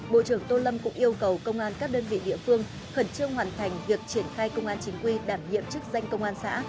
bộ trưởng tô lâm cũng yêu cầu công an các đơn vị địa phương khẩn trương hoàn thành việc triển khai công an chính quy đảm nhiệm chức danh công an xã